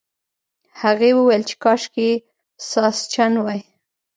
هغې وویل چې کاشکې ساسچن وای.